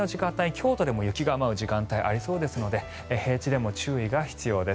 京都でも雪が舞う時間帯がありそうですので平地でも注意が必要です。